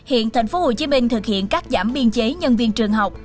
hiện thành phố hồ chí minh thực hiện các giảm biên chế nhân viên trường học